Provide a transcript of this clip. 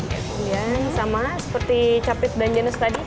kemudian sama seperti capit dan jenis tadi